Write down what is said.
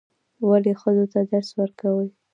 ولې ښځو ته درس ورکوئ؟